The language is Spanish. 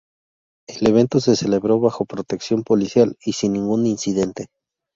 El evento se celebró bajo protección policial y sin ningún incidente.